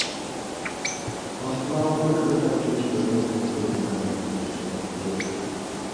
باشقىلارمۇ بىر-بىرلەپ كېلىپ ھۆرمەت بىلدۈرۈپ مەن بىلەن كۆرۈشۈپ كەتتى.